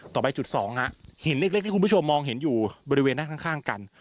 ไปจุดสองฮะหินเล็กที่คุณผู้ชมมองเห็นอยู่บริเวณหน้าข้างกัน